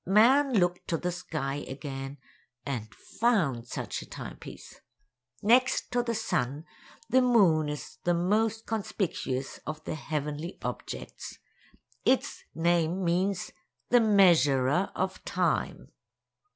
Man looked to the sky again and found such a timepiece. Next to the sun, the moon is the most conspicuous of the heavenly objects. Its name means "the Measurer of Time."